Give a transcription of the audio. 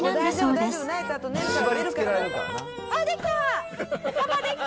できた！